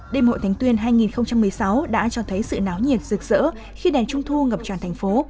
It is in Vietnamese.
đêm hội thánh tuyên hai nghìn một mươi sáu đã cho thấy sự náo nhiệt rực rỡ khi đèn trung thu ngập tràn thành phố